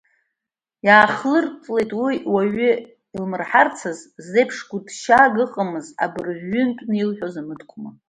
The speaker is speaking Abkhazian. Иаахлыртлеит уи уаҩ илмырҳацыз, зеиԥш гәыҭшьаага ыҟамыз, абыржәы ҩынтәны илҳәоз амыткәма.